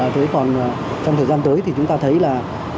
thế còn trong thời gian tới thì chúng ta thấy là